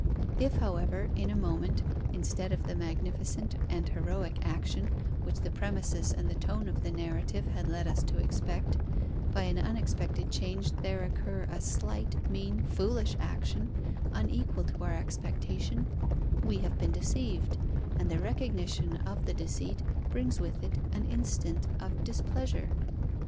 If, however, in a moment, instead of the magnificent and heroic action, which the premises and the tone of the narrative had led us to expect, by an unexpected change there occur a slight, mean, foolish action, unequal to our expectation, we have been deceived, and the recognition of the deceit brings with it an instant of displeasure.